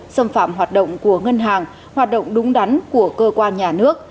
xâm phạm hoạt động của ngân hàng hoạt động đúng đắn của cơ quan nhà nước